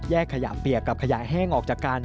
ขยะเปียกกับขยะแห้งออกจากกัน